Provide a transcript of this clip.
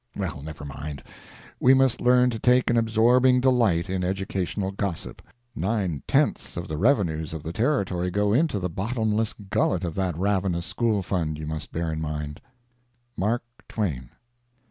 Well, never mind—we must learn to take an absorbing delight in educational gossip; nine tenths of the revenues of the Territory go into the bottomless gullet of that ravenous school fund, you must bear in mind. MARK TWAIN.